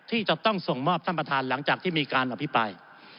ที่จะต้องส่งมอบท่านประธานหลังจากที่มีการอภิปราย